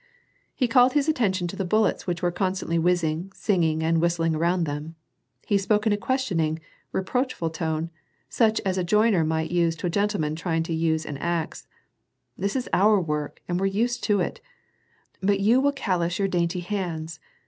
He called his attention to the bullets which were constantly whizzing, singing, and whistling around them. He spoke in a questioning, reproachful tone, such as a joiner might use to a gentleman trying to use an axe :" This is our work and we're used to it, but you will callous your dainty hands."